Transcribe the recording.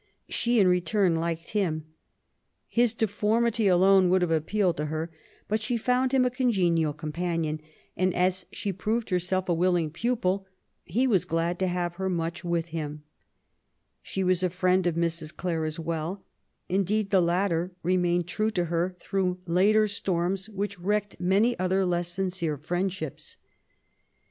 She^ in return^ liked him. His deformity alone would have appealed to her, but she found him a congenial companion^ and, as she proved herself a willing pupil^ he was glad to have her much with him* She was a friend of Mrs. Clare as well ; indeed^ the latter remained true to her through later storms which wrecked many other les8 sincere friendships.